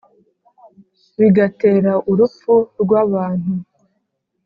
bigatera urupfu rw abantu